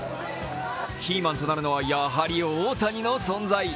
キーマンとなるのは、やはり大谷の存在。